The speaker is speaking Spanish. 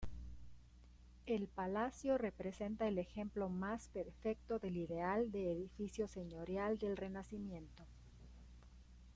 El palacio representa el ejemplo más perfecto del ideal de edificio señorial del Renacimiento.